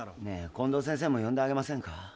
ねえ近藤先生も呼んであげませんか？